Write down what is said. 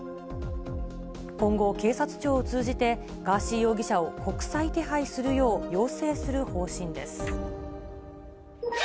今後、警察庁を通じて、ガーシー容疑者を国際手配するよう要請する方針です。